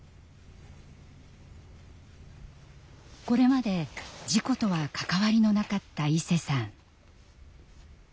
これまで事故とは関わりのなかったいせさん。